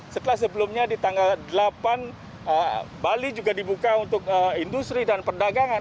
setelah sebelumnya di tanggal delapan bali juga dibuka untuk industri dan perdagangan